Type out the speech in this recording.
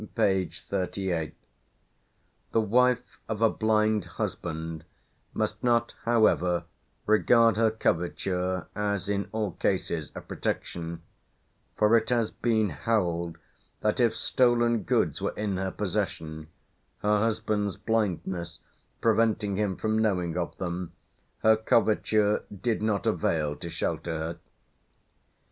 p. 38). The wife of a blind husband must not, however, regard her coverture as in all cases a protection, for it has been held that if stolen goods were in her possession, her husband's blindness preventing him from knowing of them, her coverture did not avail to shelter her.